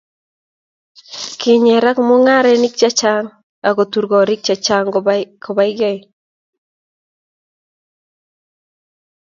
kinyeraka mung'arenik che chang' akutur koriik che chang' kobai gei